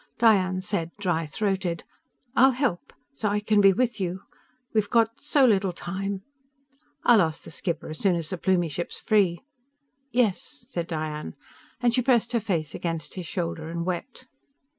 Diane said, dry throated: "I'll help. So I can be with you. We've got so little time." "I'll ask the skipper as soon as the Plumie ship's free." "Y yes," said Diane. And she pressed her face against his shoulder, and wept.